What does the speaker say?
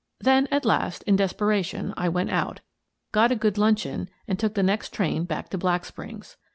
Then at last, in desperation, I went out, got a good luncheon, and took the next train back to Black Springs.